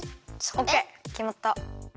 オッケーきまった。